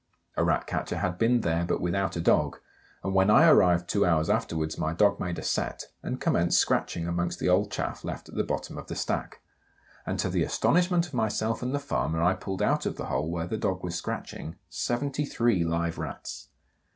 A Rat catcher had been there but without a dog, and when I arrived two hours afterwards my dog made a set, and commenced scratching amongst the old chaff left at the bottom of the stack, and to the astonishment of myself and the farmer I pulled out of the hole where the dog was scratching 73 live Rats!